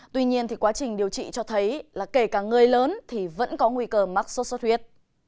tuy nhiên quá trình điều trị cho thấy kể cả người lớn vẫn có nguy cơ mắc xuất xuất huyết